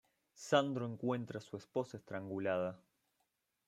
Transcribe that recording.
Sandro encuentra a su esposa estrangulada.